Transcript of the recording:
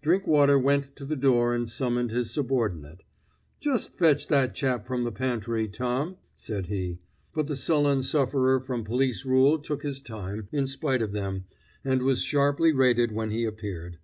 Drinkwater went to the door and summoned his subordinate. "Just fetch that chap from the pantry, Tom," said he; but the sullen sufferer from police rule took his time, in spite of them, and was sharply rated when he appeared.